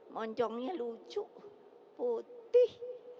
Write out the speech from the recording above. moncongnya lucu putih